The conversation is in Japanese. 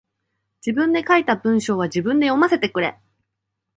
自分で書いた文章は自分で読ませてくれ。